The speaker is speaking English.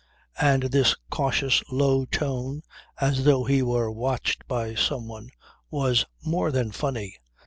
And this cautious low tone as though he were watched by someone was more than funny.